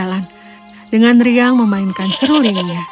dia menanggungnya dengan jalan dengan riang memainkan serulingnya